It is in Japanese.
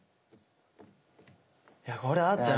いやこれあっちゃん